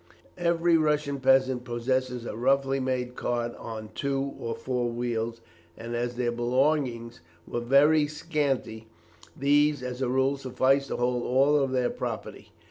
Every Russian peasant possesses a roughly made cart on two or four wheels, and as their belongings were very scanty, these, as a rule, sufficed to hold all their property.